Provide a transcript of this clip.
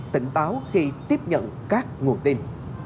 tỉnh báo khi tiếp nhận các nguồn tin